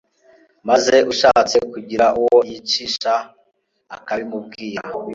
maze ushatse kugira uwo yicisha akabimubwira